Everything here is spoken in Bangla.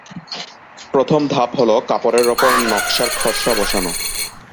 প্রথম ধাপ হল কাপড়ের ওপর নকশার খসড়া বসানো।